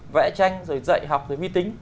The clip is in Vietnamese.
vẽ tranh rồi dạy học rồi vi tính